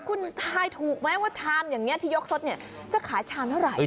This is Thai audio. คุณทายถูกไหมว่าชามอย่างนี้ที่ยกสดเนี่ยจะขายชามเท่าไหร่